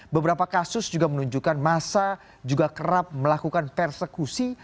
beberapa kasus juga menunjukkan masa juga kerap melakukan persekusi